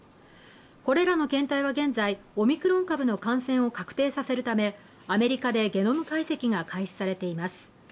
これらの検体は現在、オミクロン株の感染を確定させるためアメリカでゲノム解析が開始されています。